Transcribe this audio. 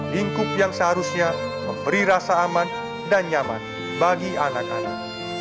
lingkup yang seharusnya memberi rasa aman dan nyaman bagi anak anak